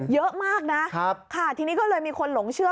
เยอะมากนะค่ะทีนี้ก็เลยมีคนหลงเชื่อ